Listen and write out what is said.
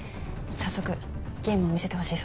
「早速ゲームを見せてほしい」